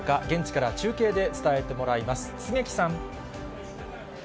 現地から中継で伝えてもらいます。